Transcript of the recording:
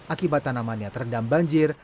akibat tanamannya terendam banjir